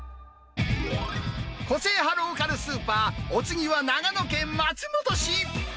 個性派ローカルスーパー、お次は長野県松本市。